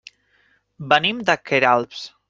Venim de Queralbs.